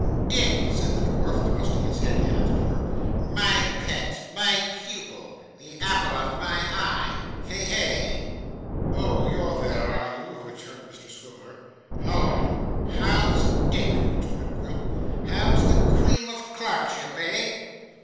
'Dick,' said the dwarf, thrusting his head in at the door, 'my pet, my pupil, the apple of my eye, hey, hey!' 'Oh you're there, are you?' returned Mr Swiveller; 'how are you?' 'How's Dick?' retorted Quilp. 'How's the cream of clerkship, eh?